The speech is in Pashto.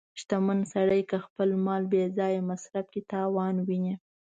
• شتمن سړی که خپل مال بې ځایه مصرف کړي، تاوان ویني.